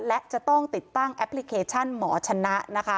และจะต้องติดตั้งแอปพลิเคชันหมอชนะนะคะ